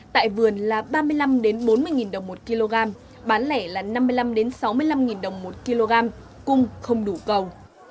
tại vườn là ba mươi năm bốn mươi đồng một kg bán lẻ là năm mươi năm sáu mươi năm đồng một kg cung không đủ cầu